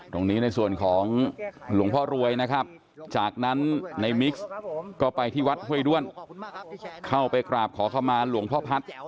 ในส่วนของหลวงพ่อรวยนะครับจากนั้นในมิกซ์ก็ไปที่วัดห้วยด้วนเข้าไปกราบขอเข้ามาหลวงพ่อพัฒน์